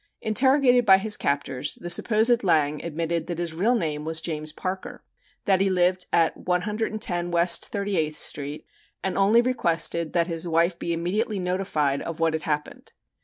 Interrogated by his captors, the supposed Lang admitted that his real name was James Parker, that he lived at 110 West Thirty eighth Street, and only requested that his wife be immediately notified of what had happened.